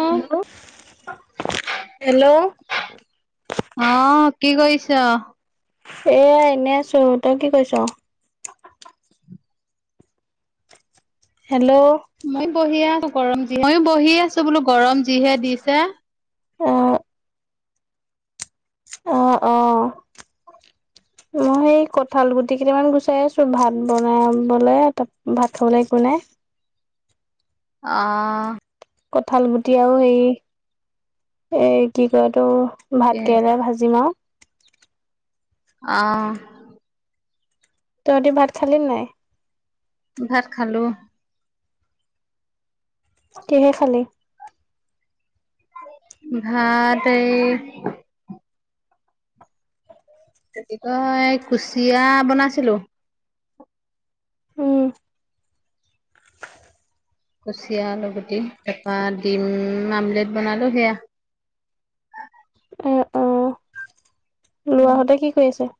অ'। Hello, hello! অ, কি কৰিছ? এয়া এনে আছো। তই কি কইছ? হেল্ল'! মইও বহিয়ে আছো গৰম যি মইও বহি আছো বোলো গৰম যিহে দিছে। অ। অ অ। [inaudible] মই সেই কঁঠাল গুটি কেইটামান গুচাই আছোঁ ভাত বনাবলৈ ত ভাত খাবলৈ একো নাই। অ। কঠাল গুটি‌ আউ হেৰি এ কি কয় এইতো এ ভাতকেৰেলাই ভাজিম আউ। অ। তহঁতি ভাত খালি নে নাই? ভাত খালো। কিহে খালি? ভাত এই কি কয় কুচিয়া বনাইছিলো। উম। কুচিয়া আলু গুটি, তাৰপৰা ডিম আমলেট বনালোঁ সেয়া। এ অ লোৱাহতে কি কৰি আছে?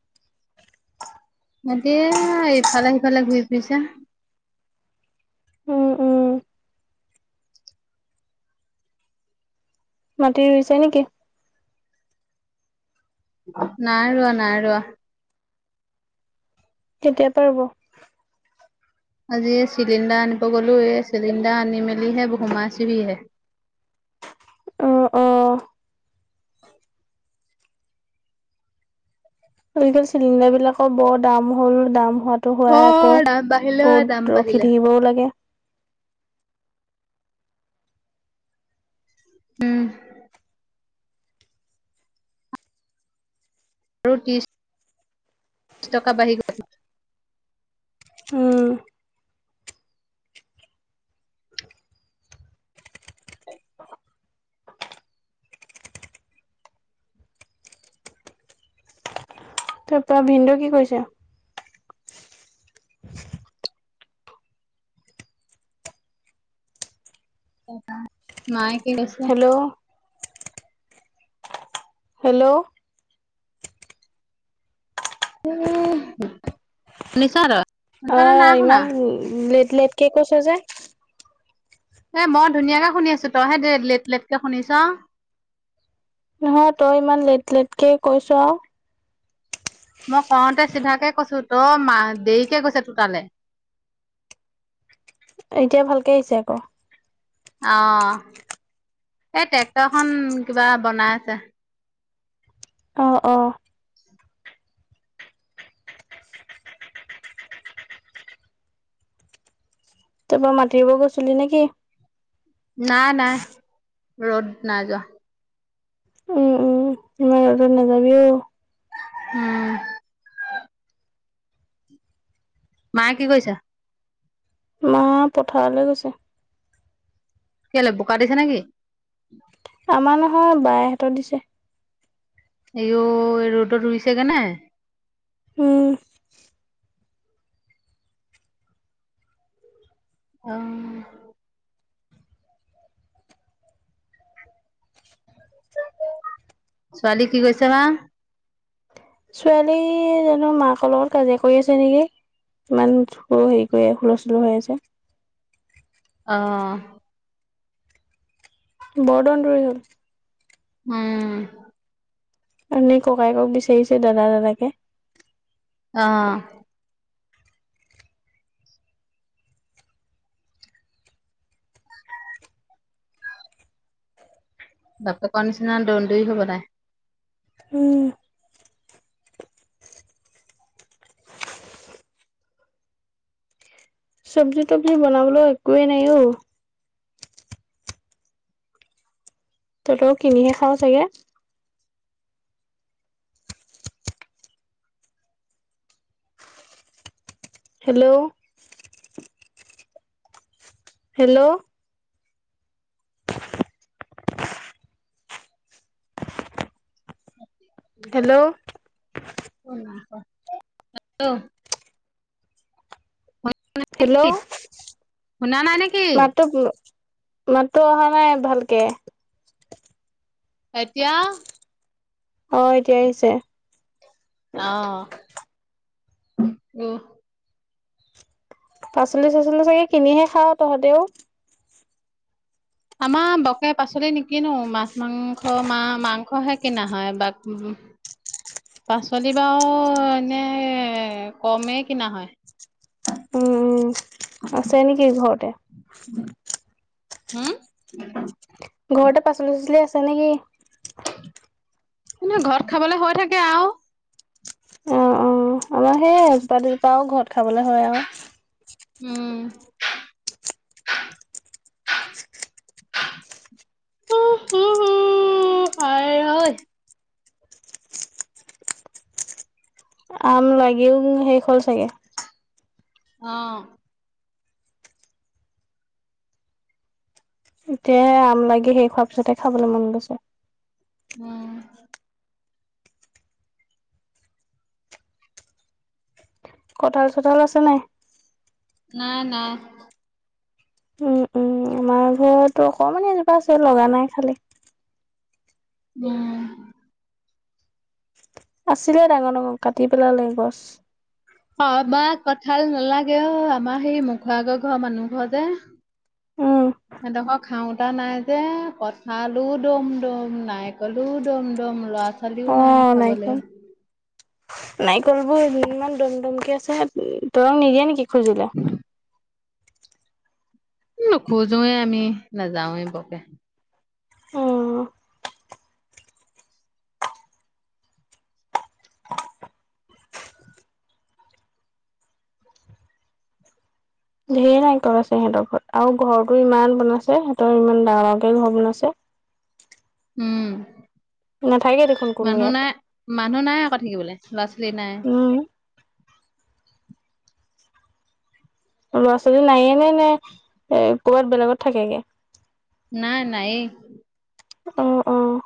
সিহঁতে ইফালে সিফালে ঘূৰি ফুৰিছে। উম উম। মাটি ৰুইছে নে কি? নাই ৰোৱা, নাই ৰোৱা। কেতিয়াৰ পৰা ৰুব? আজি চিলিণ্ডাৰ আনিব গ'লো এই চিলিণ্ডাৰ আনি মেলিহে সোমাই চিবি হে। অঁ অঁ' [inaudible] আজিকালি চিলিণ্ডাৰ বিলাকো বৰ দাম হ'ল দাম হোৱাত- ত হোৱাই আকৌ অ', দাম বাঢ়িলে দাম বহুত ৰখি বাঢ়িলে থাকিবও লাগে। উম' আৰু ত্ৰিছ- টকা বাহি গ'ল। উম' তাপা ভিন্দৌ কি কৰিছে? [inaudible] মায়ে কি কৰিছে? হেল্লৌ' হেল্লৌ' শুনিছ আৰু। অঁ' ইমান লেট লেট কে কৈছ যে। হে মই ধুনীয়াকে শুনি আছো, তইহে লেট লেটকে শুনিছ। নহয়, তই ইমান লেট লেটকে কৈছ আও। মই কওঁতে চিধাকে কৈছো তই মা দেৰিকে গৈছে তো তালে। এতিয়া ভালকে আহিছে আক। অঁ, এই ট্ৰেক্টৰ খন কিবা বনাই আছে। অ অ' তাৰ পৰা মাতিব গৈছিলি নেকি? নাই নাই ৰ'দ নাই যোৱা। উমহ' ইমান ৰদত নাযাবিও। উম' মায়ে কি কৰিছে? অঁ, পথাৰলৈ গৈছে। কেলে বোকা দিছে নেকি? আমাৰ নহয়, বায়েহঁত দিছে। আয়ো এই ৰ'দত ৰুইছেগে নে? উম' অঁ' ছোৱালী কি কৈছে বা? ছোৱালী জানো মাক লগত কাজিয়া কৰি আছে নেকি? ইমান থো হেৰি কৰি হুলস্থুলু হৈ আছে। অঁ' বৰ দনদুৰী হ'ল। উম' অথনি ককায়েকক বিচাৰিছে দাদা দাদাকে। অঁ' বাপেক নিচিনা দন্দুৰি হ'ব তাই। উম' চব্জি তবজি বনাবলৈও একোৱেই নাই অও। তহতৰো কিনিহে খাওঁ চাগে। Hello hello hello hello hello শুনা নাই নেকি? মাত তো মাত, টো অহা নাই ভালকে, এতিয়া, অঁ, এতিয়া আহিছে? অঁ, উম পাচলি, -চাচলি চাগে কিনিহে খাওঁ তহঁতেও? আমাৰ বকে পাচলি নেকিনো মাছ- মাংস মা মাংসহে, কিনা হয় বা উ পাচলি বাৰু এনে কমেই কিনা হয়। উ আছে নেকি ঘৰতে হম ঘৰতে পাচলি- চাচলি আছে নেকি? কিন্তু ঘৰত খাবলে হৈ থাকে আৰু। অ অ আমাৰ সেই এজোপা -দোপাও ঘৰত খাবলৈ হয় আৰু। উম আম, লাগিও শেষ হ'ল চাগে। অ এতিয়ে আম, লাগি শেষ হোৱাৰ পিছতহে খাবলৈ মন গৈছে। উম কঁঠাল, চঠাল আছে নাই। নাই নাই। উম উম আমাৰ ঘৰটো অকণমান এজোপা আছে লগা নাই খালি। উমূ আছিলে ডাঙৰ -ডাঙৰ কাটি পেলালে গছ, অ বা কঁঠাল, নালাগে অ আমাৰ সেই মখ আগৰ ঘৰৰ মানুহ ঘৰ যে। উম, সিহডখৰ খাওতা নাই যে। কঁঠালও, দম দম নাৰিকলোও, দম দম ল'ৰা ছোৱালীও নাই অ', খাবলৈ। নাৰিকল, বোৰ ইমান দম দমকে আছে তহঁতক নিদিয়ে নেকি খুজিলে। হয়। নোখোজোৱে আমি নাযাওৱে বকে। অঁ ধেৰ নাৰিকল, আছে সিহঁতৰ ঘৰত আৰু ঘৰটো ইমান বনাইছে সিহঁতৰ ইমান ডাঙৰকে ঘৰ বনাইছে। উম নাথাকে দেখোন কোনো মানুহ ইয়াত। নাই মানুহ নাই আকৌ থাকিবলৈ ল'ৰা ছোৱালী নাই। উম, ল'ৰা ছোৱালী নায়য়ে নে নে এ ক'বাত বেলেগত থাকেগে। নাই নায়ে। অ অ',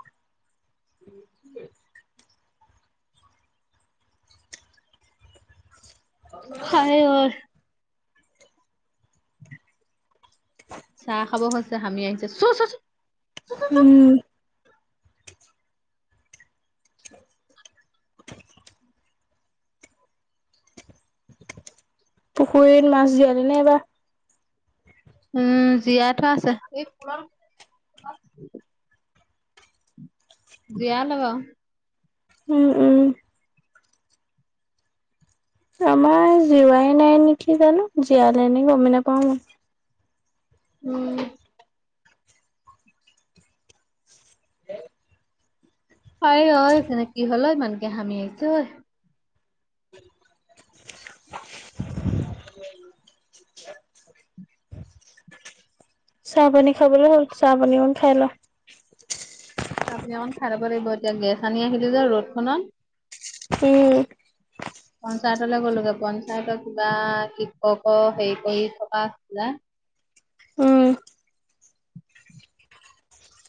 হয়ায় অ চাহ, খাব হৈছে হামি আহিছে চ চোন উম' পুখুৰীত, মাছ, জিয়ালি নে এইবাৰ। উম জীয়াই থোৱা আছে। এই জীয়া লব উম উম। আমাৰ জিৱাই নাই নেকি জানো জীয়ালে নেকি গমেই নোপাও মই। উম। [unintelligible] হাই ঐ কি হল ঐ ইমানকে হামি আহিছে ঐ। [inaudible] চাহ পানী খাবলৈ হ'ল চাহ পানী অকণ খাই ল'। চাহ পানী অকণ খাই লব লাগিব, এতিয়া গেছ আনি আহিলো যে ৰ'দখনত। উম। পঞ্চায়তলৈ গ'লগে পঞ্চায়তৰ কিবা শিক্ষকৰ হেৰি কৰি থকা যে উম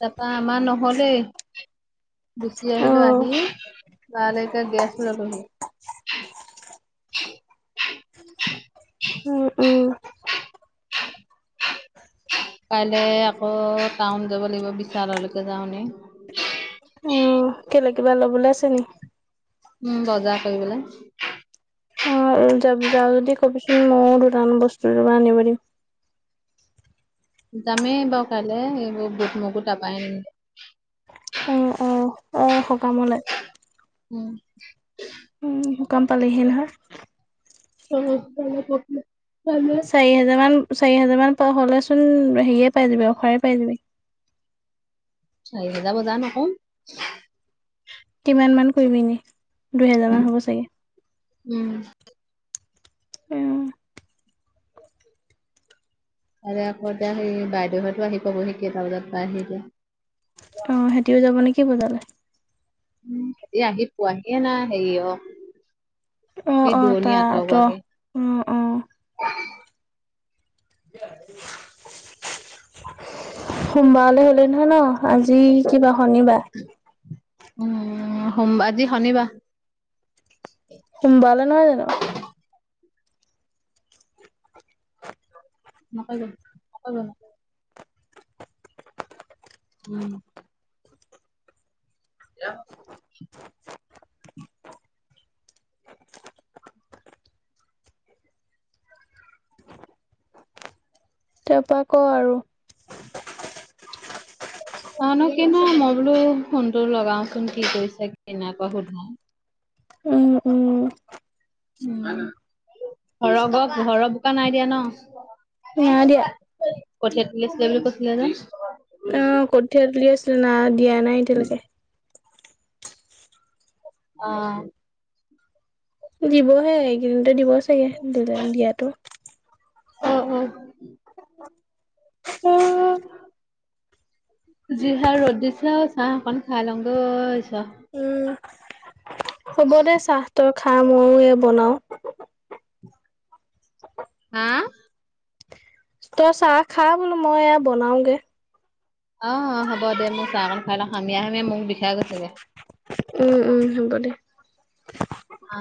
তাৰপৰা আমাৰ নহলেই। গুচি আহিলো অ' আহি লৰালৰিকৈ গেছ ললোহি। উম উম কাইলে আকৌ টাউন যাব লাগিব বিশাললৈকে যাওঁনে। উম কেলে কিবা ল'বলৈ আছে নি? উম বজাৰ কৰিবলে। অ যাব যাওঁ যদি কবিচোন মইয়ো দুটান বস্তু আনিব দিম। যামেই বাৰু কাইলৈ এইবোৰ বুট মগু তাৰ পৰাই আনিমগে। অঁ অ অ সকামলে? উম। উম সকাম পালেহিয়ে নহয়। [unintelligible] চাৰি হাজাৰমান চাৰি হাজাৰমান পাৰ হ'লেচোন হেৰিয়ে পাই যিবি অফাৰেই পাই যিবি। চাৰি হাজাৰ বজাৰ নকৰো। কিমান মান কৰিবি এনে দুইহাজাৰ মান হ'ব চাগে? উম। উম। কাইলে আকৌ এতিয়া সেই বাইদেউহতো আহি পাবহি কেইটা বজাত পাই আহি এতিয়া। অঁ সিহঁতিও যাব নেকি বজাৰলে? হেঁতি আহি পোৱাহিয়ে নাই হেৰি অ অ এই অ দূৰণি তা ত আঁতৰোৱাকে উম অঁহ। সোমবাৰলৈ হলেই নহয় ন? আজি কিবাৰ শনিবাৰ। উম সোম আজি শনিবাৰ। সোমবাৰলে নহয় জানো? নকৰিব নকৰিব। [inaudible] [unintelligible] [inaudible] তাৰপৰা ক আৰু? কওনো কিনো মই বোলো ফোনটো লগাওচোন কি কৰিছে কি নাইকৰা সুধো। অঁ অঁ। উম, ঘৰ ঘৰৰ বোকা নাই দিয়া ন? নাই দিয়া কঠীয়া তুলিছিলে বুলি কছিলে যে। কঠিয়া তুলি আছিল না দিয়া নাই এতিয়ালৈকে। অ- দিবহে এইকেইদিনতে দিব চাগে দিলে দিয়াতো। অ অ। অঁ। জিহে ৰ'দ দিছে চাহ অকন খাই লওঁগে অ ঈশ্বৰ। উম হ'ব দে চাহ তই খা, ময়ো এ বনাও। হা? তই চাহ খা বোলো মই এয়া বনাওগে। অ হ'ব দে মোক চাহ কণ খাই লওঁ সামীয়া সামিয়াই মোক বিষাই গৈছেগে। উম উম হ'ব দে। অ।